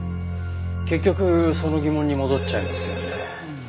結局その疑問に戻っちゃいますよね。